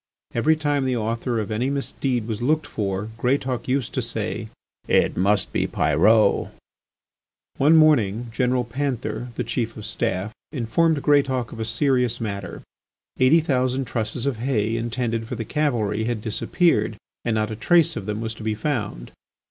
Every time the author of any misdeed was looked for, Greatauk used to say: "It must be Pyrot!" One morning General Panther, the Chief of the Staff, informed Greatauk of a serious matter. Eighty thousand trusses of hay intended for the cavalry had disappeared and not a trace of them was to be found.